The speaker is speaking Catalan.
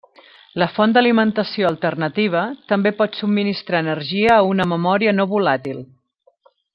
La font d'alimentació alternativa també pot subministrar energia a una memòria no volàtil.